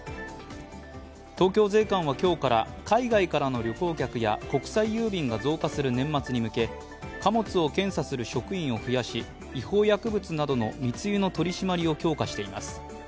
東京税関は今日から海外からの旅行客や国際郵便が増加する年末に向け貨物を検査する職員を増やし違法薬物などの密輸の取り締まりを強化しています。